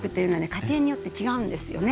家庭によって違うんですよね。